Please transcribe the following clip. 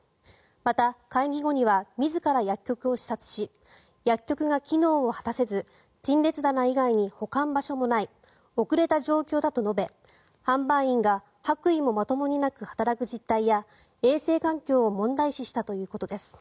また、会議後には自ら薬局を視察し薬局が機能を果たせず陳列棚以外に保管場所もない遅れた状況だと述べ販売員が白衣もまともになく働く実態や衛生環境を問題視したということです。